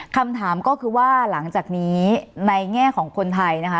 คำถามก็คือว่าหลังจากนี้ในแง่ของคนไทยนะคะ